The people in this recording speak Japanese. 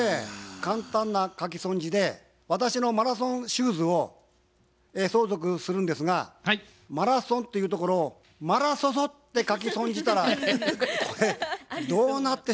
簡単な書き損じで私のマラソンシューズを相続するんですが「マラソン」っていうところを「マラソソ」って書き損じたらこれどうなってしまうんでしょうかね？